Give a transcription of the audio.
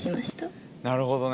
なるほどね。